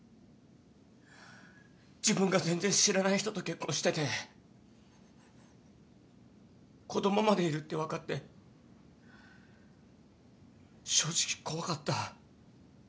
自分が全然知らない人と結婚してて子供までいるって分かって正直怖かった。